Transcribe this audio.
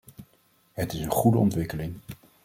Het is een goede ontwikkeling.